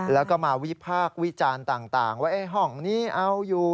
แล้วก็มาวิพากษ์วิจารณ์ต่างว่าห้องนี้เอาอยู่